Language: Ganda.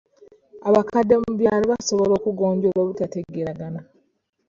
Abakadde mu byalo basobola okugonjoola obutategeeragana.